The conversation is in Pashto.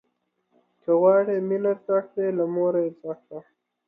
که غواړې مينه زده کړې، له موره يې زده کړه.